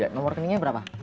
nomor rekeningnya berapa